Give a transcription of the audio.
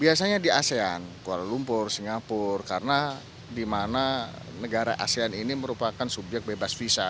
biasanya di asean kuala lumpur singapura karena di mana negara asean ini merupakan subyek bebas visa